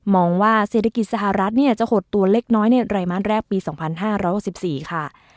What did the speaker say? มองว่าเศรษฐกิจสหรัฐเนี่ยจะหดตัวเล็กน้อยในรายมาตรแรกปี๒๕๖๔ค่ะ